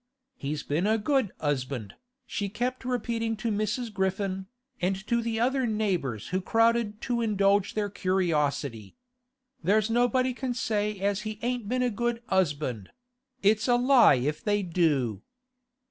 'He's been a good 'usband,' she kept repeating to Mrs. Griffin, and to the other neighbours who crowded to indulge their curiosity. 'There's nobody can say as he ain't been a good 'usband; it's a lie if they do.